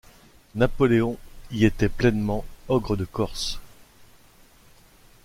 Napoléon y était pleinement Ogre de Corse.